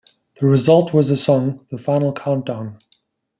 The result was the song "The Final Countdown".